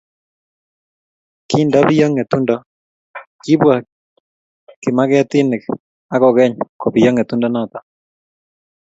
Kindapiyo ngetundo, kibwa kimaketienik akokeny kobiyo ngetundo noto